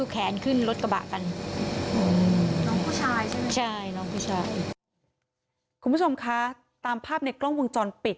คุณผู้ชมคะตามภาพในกล้องวงจรปิด